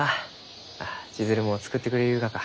あ千鶴も作ってくれゆうがか？